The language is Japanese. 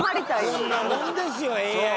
こんなもんですよＡＩなんて。